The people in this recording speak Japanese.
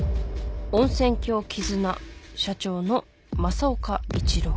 温泉郷絆社長の政岡一郎。